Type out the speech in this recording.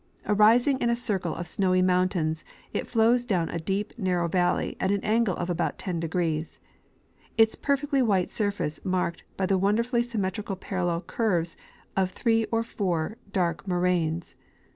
Arising in a circle of snowy mountains it flows down a deep narrow valley at an angle of about 10°, its perfectly white surface marked by the wonder fully symmetrical parallel curves of three or four dark moraines.